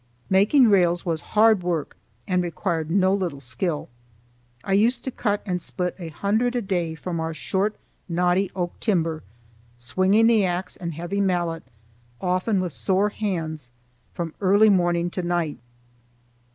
Making rails was hard work and required no little skill. I used to cut and split a hundred a day from our short, knotty oak timber, swinging the axe and heavy mallet, often with sore hands, from early morning to night.